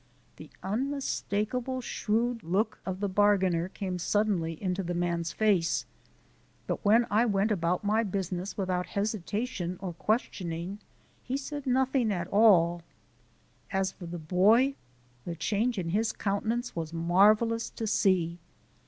The unmistakable shrewd look of the bargainer came suddenly into the man's face, but when I went about my business without hesitation or questioning, he said nothing at all. As for the boy, the change in his countenance was marvellous to see.